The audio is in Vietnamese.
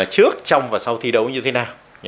trước trong và sau thi đấu như thế nào